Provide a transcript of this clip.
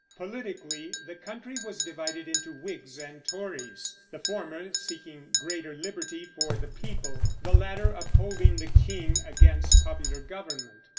Politically, the country was divided into Whigs and Tories: the former seeking greater liberty for the people; the latter upholding the king against popular government.